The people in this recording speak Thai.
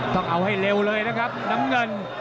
ต้องเอาให้เร็วเลยนะครับน้ำเงิน